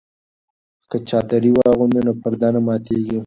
که چادري واغوندو نو پرده نه ماتیږي.